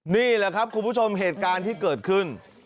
นี่แหละครับคุณผู้ชมเหตุการณ์ที่เกิดขึ้น